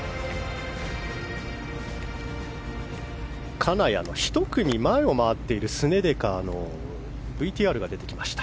金谷の１組前を回っているスネデカーのＶＴＲが出てきました。